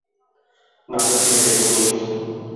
নাটকীয় breaking news.